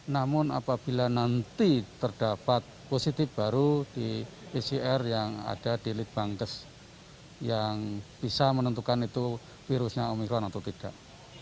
namun apabila nanti terdapat positif baru di pcr yang ada di litbangkes yang bisa menentukan itu virusnya omikron atau tidak